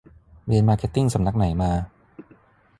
เรียนมาร์เก็ตติ้งสำนักไหนมา